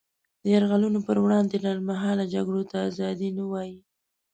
د یرغلونو پر وړاندې لنډمهاله جګړو ته ازادي نه وايي.